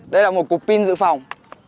đây là một cục pin dự phòng